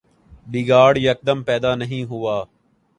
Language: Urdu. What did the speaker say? بگاڑ یکدم پیدا نہیں ہوا۔